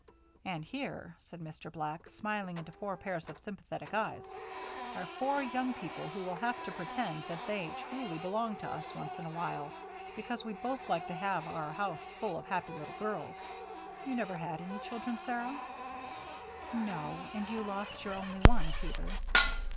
"And here," said Mr. Black, smiling into four pairs of sympathetic eyes, "are four young people who will have to pretend that they truly belong to us once in a while, because we'd both like to have our house full of happy little girls. You never had any children, Sarah?" "No, and you lost your only one, Peter."